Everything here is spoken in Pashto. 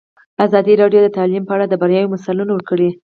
ازادي راډیو د تعلیم په اړه د بریاوو مثالونه ورکړي.